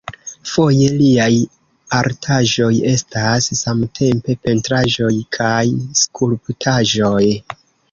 Foje liaj artaĵoj estas samtempe pentraĵoj kaj skulptaĵoj.